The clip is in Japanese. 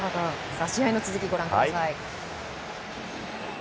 試合の続きご覧ください。